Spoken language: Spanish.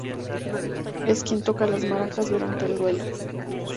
Es quien toca las maracas durante el duelo.